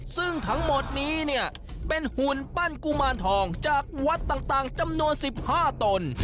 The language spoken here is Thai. ซึ่งทั้งหมดนี้เนี่ยเป็นหุ่นปั้นกุมารทองจากวัดต่างจำนวน๑๕ตน